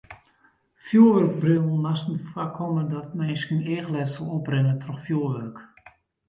Fjoerwurkbrillen moatte foarkomme dat minsken eachletsel oprinne troch fjoerwurk.